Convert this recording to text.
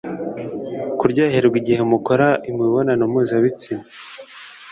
kuryoherwa igihe mukora imibonano mpuzabitsina